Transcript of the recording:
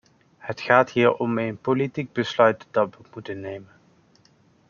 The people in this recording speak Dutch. Het gaat hier om een politiek besluit dat we moeten nemen.